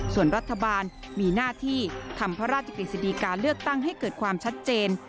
ส่วนรัฐบาลมีหน้าที่ทำพระราชกฤษฎีการเลือกตั้งให้เกิดความชัดเจน